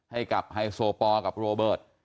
ให้กับหายโสปอร์กับโรเบิต